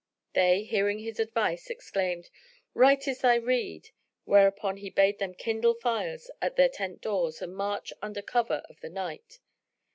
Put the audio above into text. They, hearing his advice exclaimed "Right is thy rede," whereupon he bade them kindle fires at their tent doors and march under cover of the night.